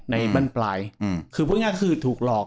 ในบ้านปลายคือพูดง่ายคือถูกหลอก